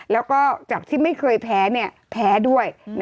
แล้วก็จากที่ไม่เคยแพ้แพ้ด้วย